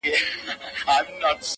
پر ها بل یې له اسمانه ټکه لوېږي!!